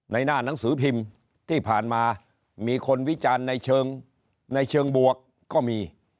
หน้าหนังสือพิมพ์ที่ผ่านมามีคนวิจารณ์ในเชิงในเชิงบวกก็มี